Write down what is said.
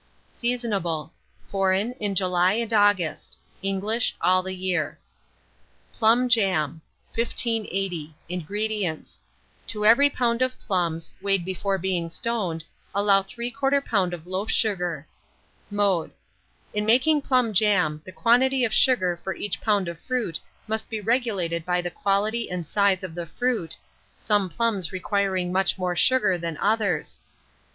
Seasonable. Foreign, in July and August; English, all the year. PLUM JAM. 1580. INGREDIENTS. To every lb. of plums, weighed before being stoned, allow 3/4 lb. of loaf sugar. Mode. In making plum jam, the quantity of sugar for each lb. of fruit must be regulated by the quality and size of the fruit, some plums requiring much more sugar than others.